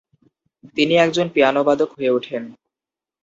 তিনি একজন পিয়ানোবাদক হয়ে ওঠেন।